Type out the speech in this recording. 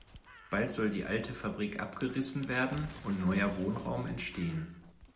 Bald soll die alte Fabrik abgerissen werden und neuer Wohnraum entstehen.